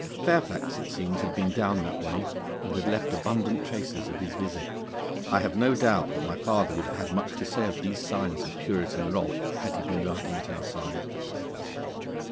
Fairfax it seems had been down that way, and had left abundant traces of his visit. I have no doubt that my father would have had much to say of these signs of Puritan wrath had he been riding at our side.